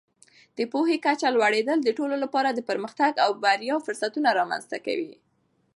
د پوهې کچه لوړېدل د ټولو لپاره د پرمختګ او بریا فرصتونه رامینځته کوي.